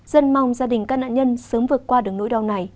dân mong gia đình các nạn nhân sớm vượt qua đường nỗi đau